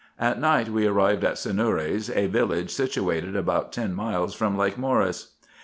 At night we arrived at Senures, a village situated about 10 miles from Lake Mceris.